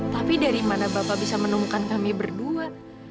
tapi dari mana bapak bisa menemukan kami berdua